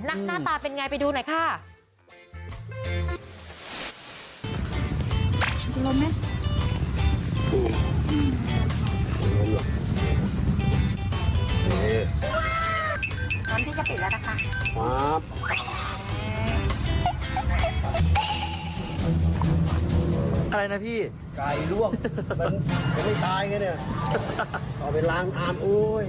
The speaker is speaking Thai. อะไรนะพี่ไก่ร่วงมันไม่ได้ตายไงเนี่ยเอาไปล้างอ่ามอุ้ย